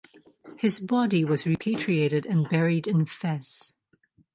His body was repatriated and buried in Fes.